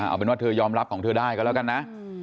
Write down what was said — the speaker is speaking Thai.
เอาเป็นว่าเธอยอมรับของเธอได้ก็แล้วกันนะ